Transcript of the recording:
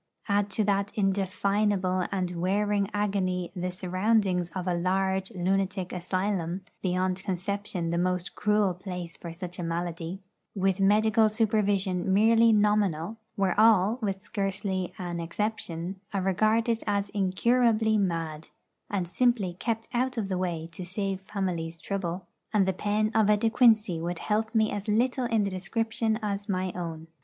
Add to that indefinable and wearing agony the surroundings of a large lunatic asylum beyond conception the most cruel place for such a malady with medical supervision merely nominal, where all, with scarcely an exception, are regarded as incurably mad, and simply kept out of the way to save families trouble, and the pen of a De Quincey would help me as little in the description as my own.